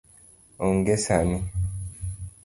Onge sani